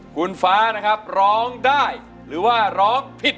คุณฟ้านะครับร้องได้หรือว่าร้องผิด